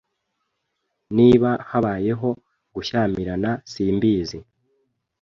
niba habayeho gushyamirana simbizi